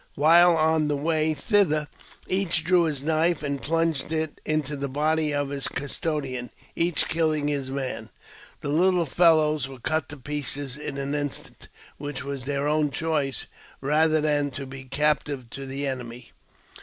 While on the way thither, each drew his knife and plunged it into the body of his custodian, each killing his man. The little fellows were cut to pieces in an instant, which was their own choice, rather than to be captive to the enemy.